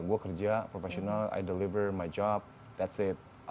gue kerja profesional aku menyediakan pekerjaan